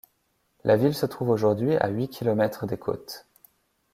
La ville se trouve aujourd'hui à huit kilomètres des côtes.